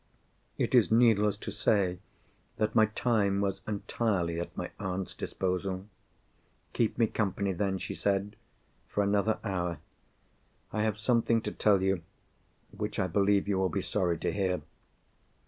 It is needless to say that my time was entirely at my aunt's disposal. "Keep me company then," she said, "for another hour. I have something to tell you which I believe you will be sorry to hear.